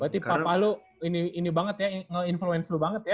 berarti papa lu ini banget ya nge influence lu banget ya